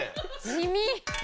地味。